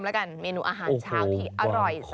เติมละกันเมนูอาหารเช้าที่อร่อยสบายของทุกคน